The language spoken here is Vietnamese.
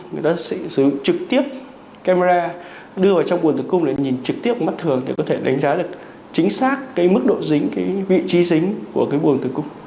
người ta sẽ sử dụng trực tiếp camera đưa vào trong buồn tử cung là nhìn trực tiếp mắt thường để có thể đánh giá được chính xác cái mức độ dính cái vị trí dính của cái buồng tử cung